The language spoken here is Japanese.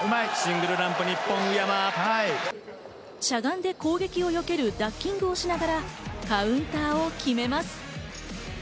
しゃがんで攻撃をよけるダッキングをしながら、カウンターを決めます。